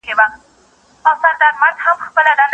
ځینې خبریالانې وې.